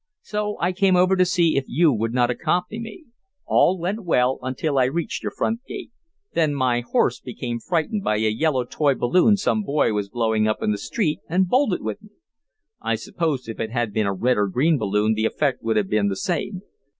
So I came over to see if you would not accompany me. All went well until I reached your front gate. Then my horse became frightened by a yellow toy balloon some boy was blowing up in the street and bolted with me. I suppose if it had been a red or green balloon the effect would have been the same.